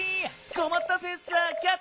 こまったセンサーキャッチ！